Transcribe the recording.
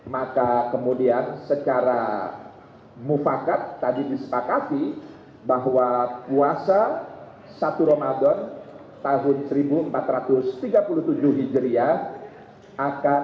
maka kemudian secara mufakat tadi disepakati bahwa puasa satu ramadan tahun seribu empat ratus tiga puluh tujuh hijriah